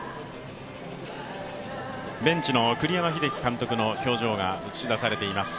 ベンチの栗山英樹監督の表情が映し出されています。